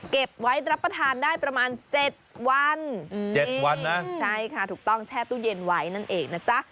เก็บไว้รับประทานได้ประมาณ๗วัน๗วันนะใช่ค่ะถูกต้องแช่ตู้เย็นไว้นั่นเองนะจ๊ะ